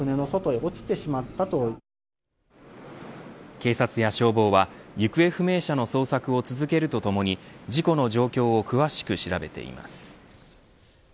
警察や消防は行方不明者の捜索を続けるとともに事故の状況を詳しく調べています。